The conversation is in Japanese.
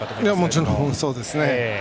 もちろん、そうですね。